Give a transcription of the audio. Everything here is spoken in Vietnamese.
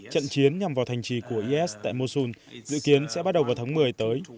trận chiến nhằm vào thành trì của is tại mosul dự kiến sẽ bắt đầu vào tháng một mươi tới